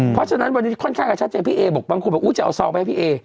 เพราะฉะนั้นวันนี้ค่อนข้างจะชัดเจนพี่เอบอกบางคนบอกจะเอาซองไปให้พี่เอ